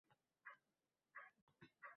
Avval ruslar, keyin boshqalar.